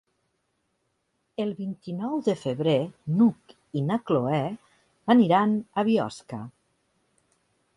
El vint-i-nou de febrer n'Hug i na Cloè aniran a Biosca.